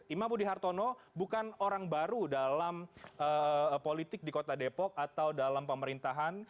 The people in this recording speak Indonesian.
imam budi hartono bukan orang baru dalam politik di kota depok atau dalam pemerintahan